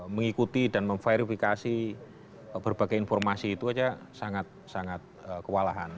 mengikuti dan memverifikasi berbagai informasi itu saja sangat sangat kewalahan